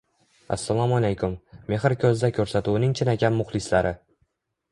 Assalomu alaykum, “Mexr ko‘zda”ko‘rsatuvining chinakam muxlislari.